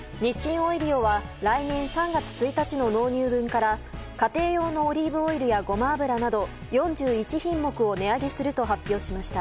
オイリオは来年３月１日の納入分から家庭用のオリーブオイルやごま油など４１品目を値上げすると発表しました。